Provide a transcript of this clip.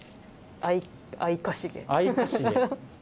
相かしげ？